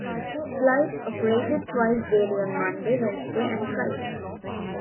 Flights operated twice daily on Monday, Wednesday and Friday.